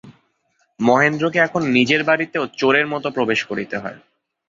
মহেন্দ্রকে এখন নিজের বাড়িতেও চোরের মতো প্রবেশ করিতে হয়।